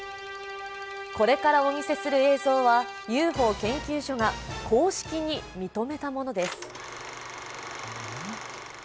これからお見せする映像は、ＵＦＯ研究所が公式に認めたものです。